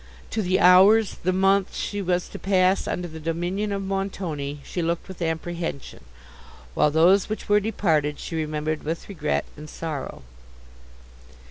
To the hours, the months, she was to pass under the dominion of Montoni, she looked with apprehension; while those which were departed she remembered with regret and sorrow.